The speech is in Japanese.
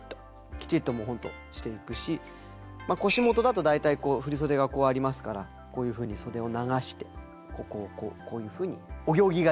きちっとホントしていくし腰元だと大体振り袖がこうありますからこういうふうに袖を流してここをこういうふうに。